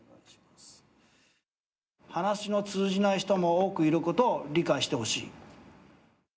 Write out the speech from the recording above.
話が通じない人も多くいることを理解してほしい。